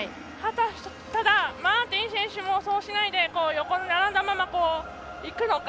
ただ、マーティン選手もそうしないで横に並んだままいくのか。